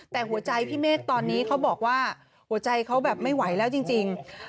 แต่หัวใจพี่เมฆตอนนี้เขาบอกว่าหัวใจเขาแบบไม่ไหวแล้วจริง